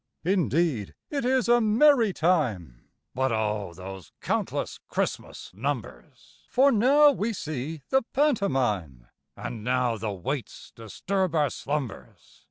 _) Indeed it is a merry time; (But O! those countless Christmas numbers!) For now we see the pantomime, (_And now the waits disturb our slumbers.